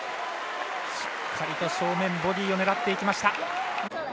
しっかりとボディーを狙っていきました。